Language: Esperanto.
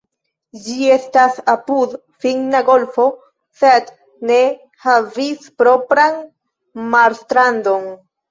Ĝi estas apud Finna golfo sed ne havis propran marstrandon.